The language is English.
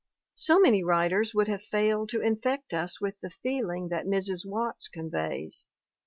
So many writers would have failed to infect us with the feeling that Mrs. Watts conveys.